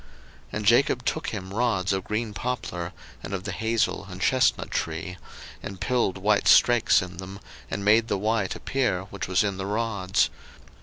01:030:037 And Jacob took him rods of green poplar, and of the hazel and chesnut tree; and pilled white strakes in them, and made the white appear which was in the rods.